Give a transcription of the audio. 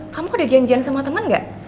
kamu ada janjian sama temen enggak